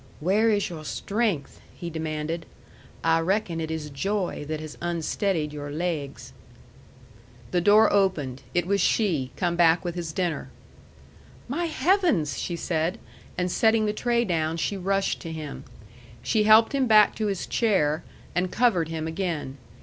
"Where is your strength?" he demanded. "I reckon it is joy that has unsteadied your laigs." The door opened. It was she, come back with his dinner. "My Heavens!" she said; and setting the tray down, she rushed to him. She helped him back to his chair, and covered him again.